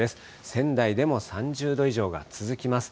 仙台でも３０度以上が続きます。